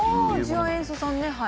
次亜塩素酸ねはい。